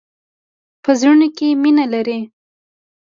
په زړونو کې مینه لری.